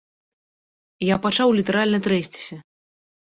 Я пачаў літаральна трэсціся.